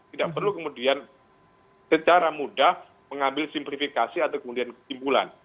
tidak perlu kemudian secara mudah mengambil simplifikasi atau kemudian kesimpulan